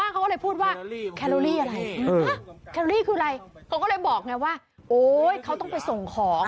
คืออะไรเขาก็เลยบอกไงว่าโอ๊ยเขาต้องไปส่งของ